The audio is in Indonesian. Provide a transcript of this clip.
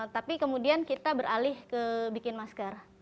tapi kemudian kita beralih ke bikin masker